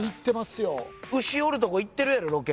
牛おるとこ行ってるやろロケ。